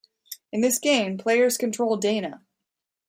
In this game, players control Dana.